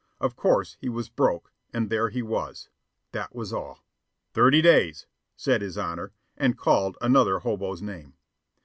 Of course he was "broke," and there he was. That was all. "Thirty days," said his Honor, and called another hobo's name.